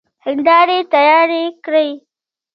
هيندارې تيارې کړئ!